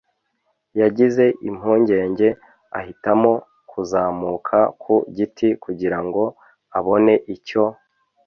yagize impungenge ahitamo kuzamuka ku giti kugirango abone icyo